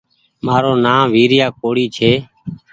مآرو نآم ويريآ ڪوڙي ڇي